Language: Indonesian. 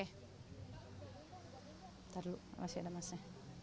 ntar dulu masih ada masnya